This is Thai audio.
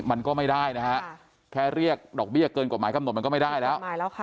มันก็ไม่ได้นะฮะแค่เรียกดอกเบี้ยเกินกฎหมายกำหนดมันก็ไม่ได้แล้วค่ะ